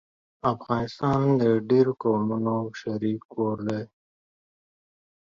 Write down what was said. افغانستان د ډېرو قومونو شريک کور دی